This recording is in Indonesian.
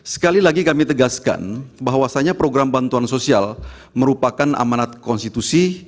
sekali lagi kami tegaskan bahwasannya program bantuan sosial merupakan amanat konstitusi